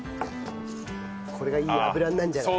これがいい油になるんじゃない？